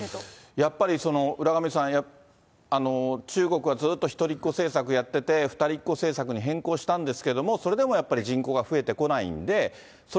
やっぱり浦上さん、中国はずっと１人っ子政策やってて２人っ子政策に変更したんですけれども、それでもやっぱり人口が増えてこないんで、それ